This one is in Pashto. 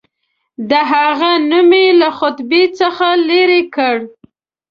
د هغه نوم یې له خطبې څخه لیري کړ.